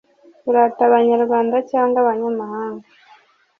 Kurata abanyarwanda cyangwa abanyamahanga